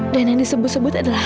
dan yang disebut sebut adalah